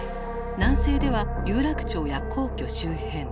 南西では有楽町や皇居周辺。